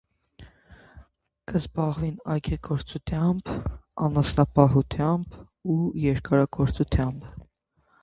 Կը զբաղին այգեգործութեամբ, անասնապահութեամբ եւ երկրագործութեամբ։